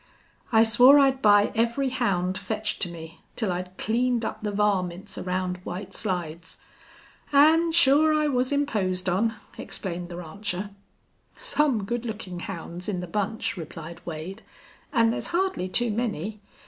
"I swore I'd buy every hound fetched to me, till I'd cleaned up the varmints around White Slides. An' sure I was imposed on," explained the rancher. "Some good lookin' hounds in the bunch," replied Wade. "An' there's hardly too many.